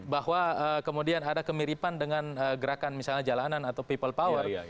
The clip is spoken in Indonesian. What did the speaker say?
bahwa kemudian ada kemiripan dengan gerakan misalnya jalanan atau people power